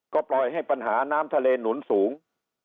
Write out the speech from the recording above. ก็ปล่อยให้ปัญหาน้ำทะเลหนุนสูง